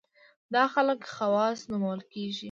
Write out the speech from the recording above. دا خلک خواص نومول کېږي.